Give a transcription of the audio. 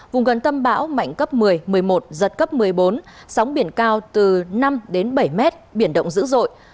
vùng gần tâm bão mạnh cấp một mươi một mươi một giật cấp một mươi bốn sóng biển cao từ năm đến bảy mét biển động dữ dội